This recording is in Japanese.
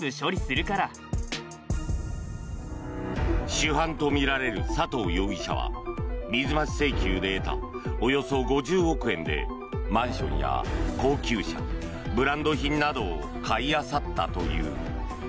主犯とみられる佐藤容疑者は水増し請求で得たおよそ５０億円でマンションや高級車、ブランド品などを買いあさったという。